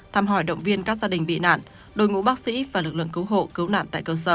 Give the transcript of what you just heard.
thăm hỏi động viên các gia đình bị nạn đội ngũ bác sĩ và lực lượng cứu hộ cứu nạn tại cơ sở